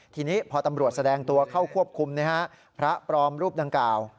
ทีนี้พอตำรวจแสดงตัวเข้าควบคุมพระปลอมรูปดังกล่าว